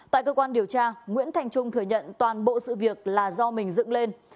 tại cơ quan điều tra nguyễn thành trung thừa nhận toàn bộ sự việc là do mình dựng lên